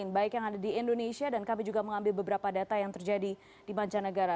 baik yang ada di indonesia dan kami juga mengambil beberapa data yang terjadi di mancanegara